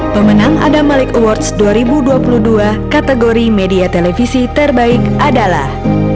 pemenang adamalik awards dua ribu dua puluh dua kategori media televisi terbaik adalah